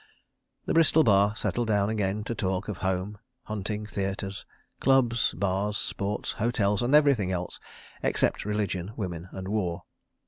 The Bristol Bar settled down again to talk of Home, hunting, theatres, clubs, bars, sport, hotels, and everything else—except religion, women and war.